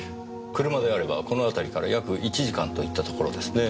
車であればこの辺りから約１時間といったところですね。